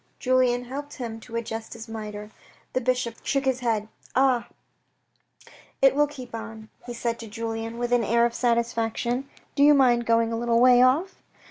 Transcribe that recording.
Julien helped him to adjust his mitre. The bishop shook his head. " Ah ! it will keep on," he said to Julien with an air of satisfaction. " Do you mind going a little way off?